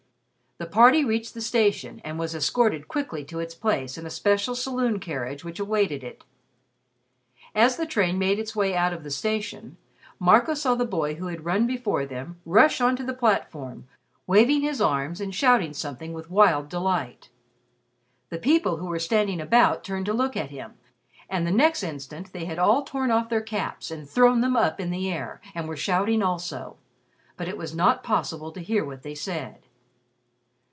The party reached the station, and was escorted quickly to its place in a special saloon carriage which awaited it. As the train made its way out of the station, Marco saw the boy who had run before them rush on to the platform, waving his arms and shouting something with wild delight. The people who were standing about turned to look at him, and the next instant they had all torn off their caps and thrown them up in the air and were shouting also. But it was not possible to hear what they said.